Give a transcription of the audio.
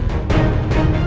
aku akan menang